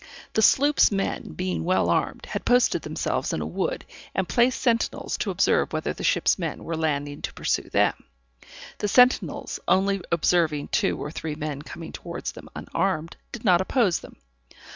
The sloops' men being well armed, had posted themselves in a wood, and placed sentinels to observe whether the ship's men were landing to pursue them. The sentinels only observing two or three men coming towards them unarmed, did not oppose them.